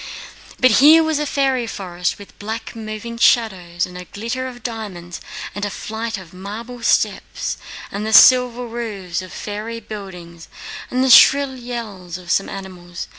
"But here was a fairy forest with black moving shadows, and a glitter of diamonds and a flight of marble steps and the silver roofs of fairy buildings and the shrill yells of some animals.